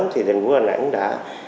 thì thành phố hà nẵng đã